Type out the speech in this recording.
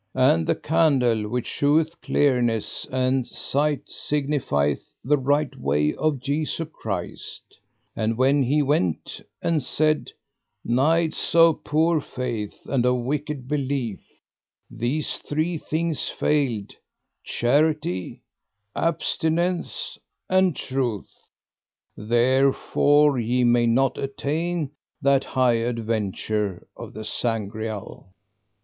And the candle which sheweth clearness and sight signifieth the right way of Jesu Christ. And when he went and said: Knights of poor faith and of wicked belief, these three things failed, charity, abstinence, and truth; therefore ye may not attain that high adventure of the Sangreal.